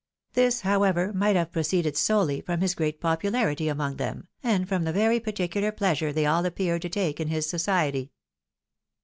This, however, might have proceeded solely from his great popularity among them, and from the very particidar pleasure they all appeared to take in his society.